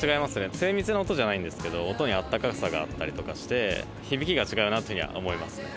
精密な音じゃないんですけど、音に温かさがあったりとかして、響きが違うなというふうには思いますね。